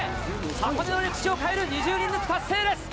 箱根の歴史を変える２０人抜き達成です。